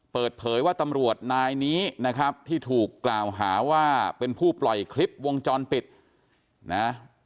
เปิดเผยว่าตำรวจนายนี้นะครับที่ถูกกล่าวหาว่าเป็นผู้ปล่อยคลิปวงจรปิดนะ